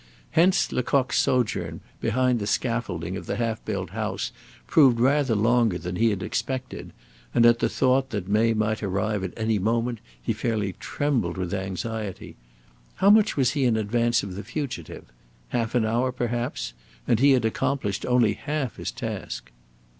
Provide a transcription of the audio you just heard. Hence, Lecoq's sojourn behind the scaffolding of the half built house proved rather longer than he had expected, and at the thought that May might arrive at any moment he fairly trembled with anxiety. How much was he in advance of the fugitive? Half an hour, perhaps! And he had accomplished only half his task.